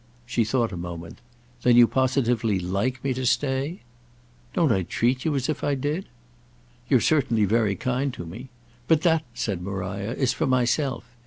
She thought a moment. "Then you positively like me to stay?" "Don't I treat you as if I did?" "You're certainly very kind to me. But that," said Maria, "is for myself.